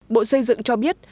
bộ xây dựng cho biết